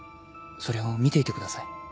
それを見ていてください